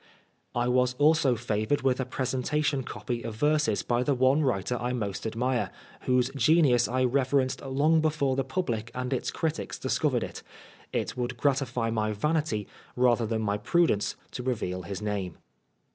I was also favored with a presentation copy of verses by the one writer I most admire, whose genius I reverenced long before the public and its critics discovered it. It would gratify my vanity rather than my prudence to reveal his name.